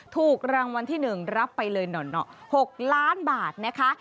ถูกรางวัลที่๑รับไปเลย๖ล้านบาทนะคะ